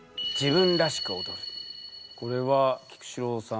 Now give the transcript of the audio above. これは菊紫郎さん。